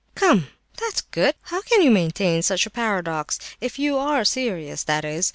"Come, that's good! How can you maintain such a paradox? If you are serious, that is.